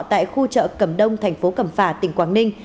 tại khu chợ cẩm đông tp cẩm phả tỉnh quảng ninh